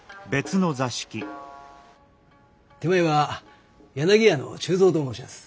手前は柳屋の忠蔵と申します。